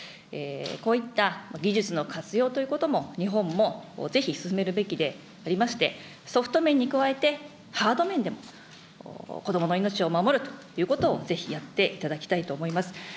こういった技術の活用ということも、日本もぜひ進めるべきでありまして、ソフト面に加えて、ハード面でも、子どもの命を守るということをぜひやっていただきたいと思います。